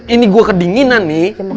ini gua kedinginan nih